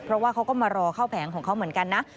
เพราะว่าเขาก็มารอเข้าแผงของเขาเหมือนกันนะ